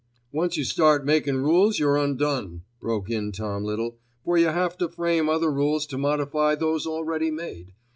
"Once you start making rules you are undone," broke in Tom Little, "for you have to frame other rules to modify those already made.